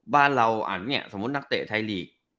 บ้านเราสมมุตินักเตะไทยลีก